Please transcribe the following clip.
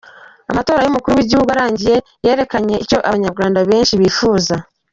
Amatora y’umukuru w’igihugu arangiye, yerekanye icyo Abanyarwanda benshi bifuza.